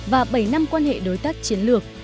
và bảy năm quan hệ đối tác chiến lược